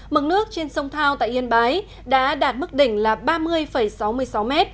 mực nước trên sông thao tại yên bái đã đạt mức đỉnh là ba mươi sáu mươi sáu m